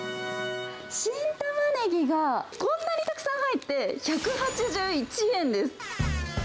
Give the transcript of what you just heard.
新タマネギがこんなにたくさん入って１８１円です。